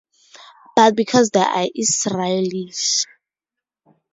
But because they are Israelis.